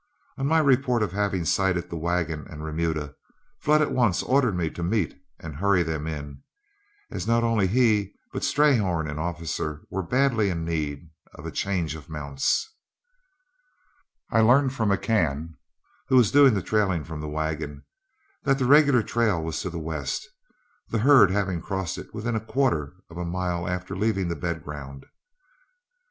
On my report of having sighted the wagon and remuda, Flood at once ordered me to meet and hurry them in, as not only he, but Strayhorn and Officer, were badly in need of a change of mounts. I learned from McCann, who was doing the trailing from the wagon, that the regular trail was to the west, the herd having crossed it within a quarter of a mile after leaving the bed ground.